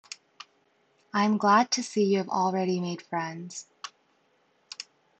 I am glad to see you have already made friends.